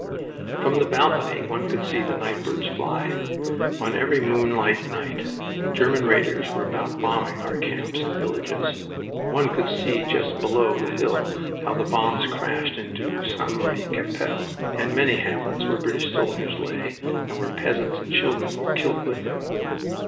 From the balcony one could see the nightbirds fly. On every moonlight night German raiders were about bombing our camps and villages. One could see just below the hill how the bombs crashed into St. Marie Capelle and many hamlets where British soldiers lay, and where peasants and children were killed with them.